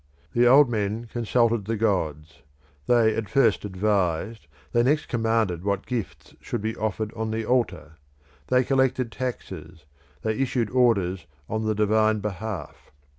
The old men consulted the gods they at first advised, they next commanded what gifts should be offered on the altar. They collected taxes, they issued orders on the divine behalf.